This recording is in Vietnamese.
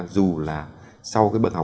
dù là sau cái bận học